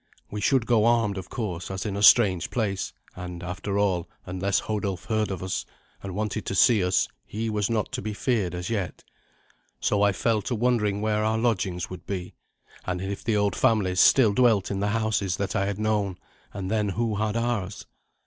We should go armed, of course, as in a strange place; and, after all, unless Hodulf heard of us, and wanted to see us, he was not to be feared as yet. So I fell to wondering where our lodgings would he, and if the old families still dwelt in the houses that I had known, and then who had ours.